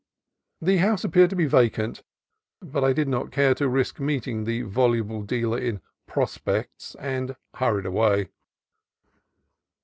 The house appeared to be vacant, but I did not care to risk meeting the voluble dealer in "prospects," and hurried away.